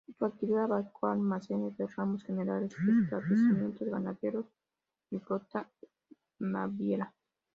Su actividad abarcó almacenes de ramos generales, establecimientos ganaderos y flota naviera.